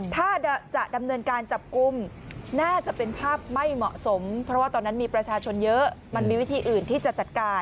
ถ้าจะดำเนินการจับกลุ่มน่าจะเป็นภาพไม่เหมาะสมเพราะว่าตอนนั้นมีประชาชนเยอะมันมีวิธีอื่นที่จะจัดการ